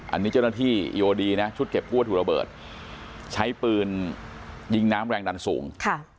อันนี้เจ้าหน้าที่โยดีนะชุดเก็บกู้วัตถุระเบิดใช้ปืนยิงน้ำแรงดันสูงค่ะ